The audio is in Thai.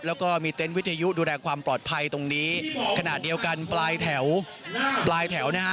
แล้วก็มีเต็นต์วิทยุดูแลความปลอดภัยตรงนี้ขณะเดียวกันปลายแถวปลายแถวนะฮะ